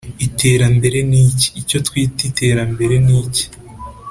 iterambere ni iki? icyo twita iterambere ni iki?